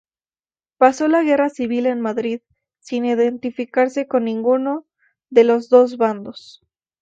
Pasó la Guerra Civil en Madrid, sin identificarse con ninguno de los dos bandos.